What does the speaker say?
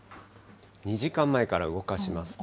２時間前から動かしますと。